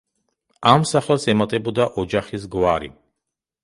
ამ სახელს ემატებოდა ოჯახის გვარი.